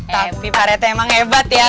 tapi pak rente emang hebat ya